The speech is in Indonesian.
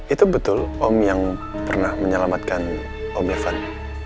itu betul om yang pernah menyelamatkan om levan